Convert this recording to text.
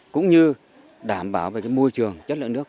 cũng như đảm bảo về cái môi trường chất lượng nước